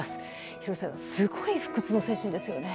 廣瀬さん、すごい不屈の精神ですよね。